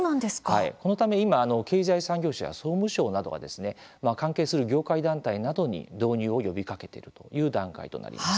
このため今経済産業省や総務省などが関係する業界団体などに導入を呼びかけているという段階となります。